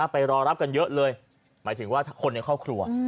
ไปรอรับกันเยอะเลยหมายถึงว่าคนในครอบครัว